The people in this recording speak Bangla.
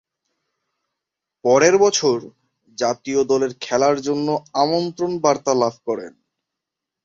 পরের বছর জাতীয় দলের খেলার জন্যে আমন্ত্রণ বার্তা লাভ করেন।